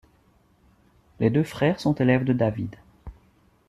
Les deux frères sont élèves de David.